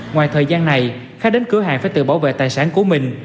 ngoài thời gian này khách đến cửa hàng phải tự bảo vệ tài sản của mình